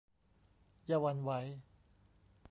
อย่าหวั่นไหว